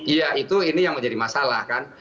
iya itu ini yang menjadi masalah kan